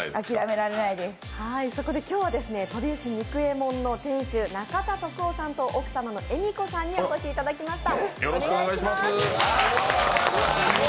そこで今日は鳶牛肉衛門の店主・中田徳生さんと奥様の恵美子さんにお越しいただきました。